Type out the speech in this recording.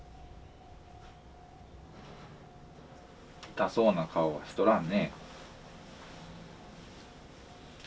痛そうな顔はしとらんね。